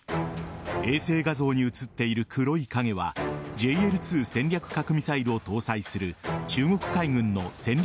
衛星画像に写っている黒い影はＪＬ‐２戦略核ミサイルを搭載する中国海軍の戦略